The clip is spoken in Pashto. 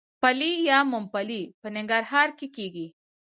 پلی یا ممپلی په ننګرهار کې کیږي.